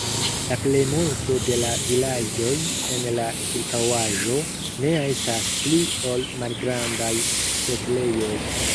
La plejmulto de la vilaĝoj en la ĉirkaŭaĵo ne estas pli ol malgrandaj setlejoj.